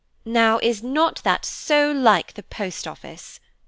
"Now is not that so like the Post Office?"